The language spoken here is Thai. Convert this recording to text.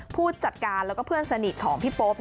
ผู้จัดการแล้วก็เพื่อนสนิทของพี่โป๊ป